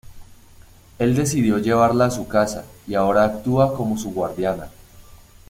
Él decidió llevarla a su casa, y ahora actúa como su guardiana.